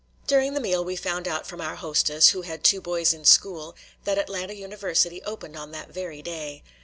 During the meal we found out from our hostess, who had two boys in school, that Atlanta University opened on that very day.